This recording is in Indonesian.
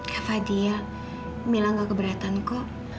kava diel mila gak keberatan kok